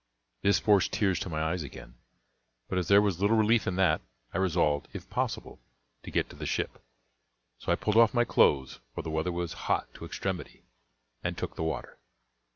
This forced tears to my eyes again; but as there was little relief in that, I resolved, if possible, to get to the ship; so I pulled off my clothes for the weather was hot to extremity and took the water.